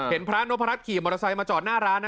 พระนพรัชขี่มอเตอร์ไซค์มาจอดหน้าร้านนะ